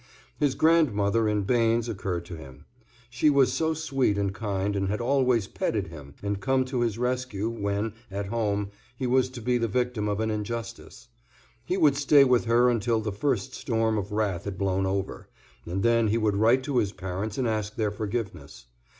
His grandmother in Bains occurred to him. She was so sweet and kind and had always petted him and come to his rescue when, at home, he was to be the victim of an injustice. He would stay with her until the first storm of wrath had blown over, and then he would write to his parents to ask their forgiveness.